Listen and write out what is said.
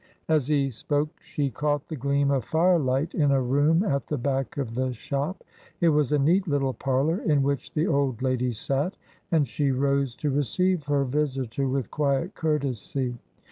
As he spoke she caught the gleam of firelight in a room at the back of the shop. It was a neat little parlour in which the old lady sat, and she rose to receive her visitor with quiet courtesy.